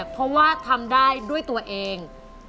เพราะว่าทำได้ด้วยตัวเอง